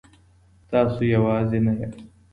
تاسو يوازي نه ياست.